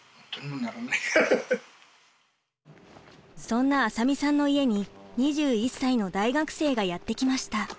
そんな浅見さんの家に２１歳の大学生がやって来ました。